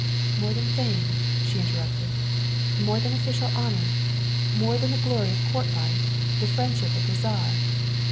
" More than fame?" she interrupted. " More than official honor? More than the glory of court life the friendship of the Czar?"